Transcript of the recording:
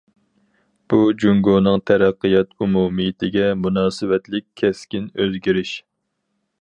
بۇ، جۇڭگونىڭ تەرەققىيات ئومۇمىيىتىگە مۇناسىۋەتلىك كەسكىن ئۆزگىرىش!